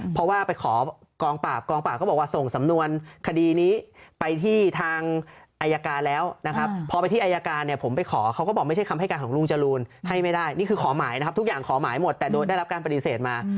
เพราะว่าไปขอกองปราบกองปราบเขาบอกว่าส่งสำนวนคดีนี้ไปที่ทางอายการแล้วนะครับพอไปที่อายการเนี่ยผมไปขอเขาก็บอกไม่ใช่คำให้การของลุงจรูนให้ไม่ได้นี่คือขอหมายนะครับทุกอย่างขอหมายหมดแต่โดยได้รับการปฏิเสธมา